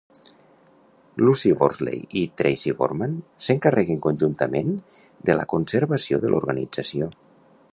Lucy Worsley i Tracy Borman s'encarreguen conjuntament de la conservació de l'organització.